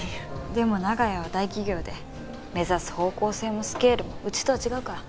でも長屋は大企業で目指す方向性もスケールもうちとは違うから。